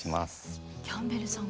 キャンベルさん